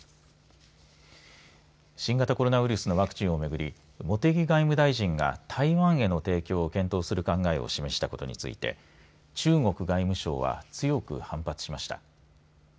新型コロナウイルスのワクチンをめぐり茂木外務大臣が台湾への提供を検討する考えを示したことについて中国外務省は強く反発しました。